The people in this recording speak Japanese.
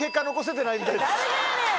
誰がやねん！